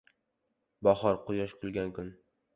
Bahor — quyosh kulgan kun.